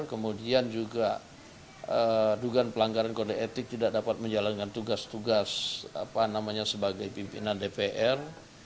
kemudian juga dugaan pelanggaran kode etik tidak dapat menjalankan tugas tugas sebagai pimpinan dpr